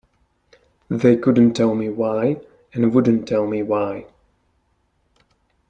They couldn't tell me why and wouldn't tell me why.